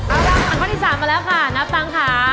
อันที่๓มาแล้วค่ะนับตังค์ค่ะ